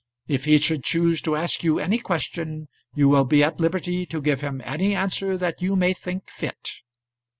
If he should choose to ask you any question, you will be at liberty to give him any answer that you may think fit."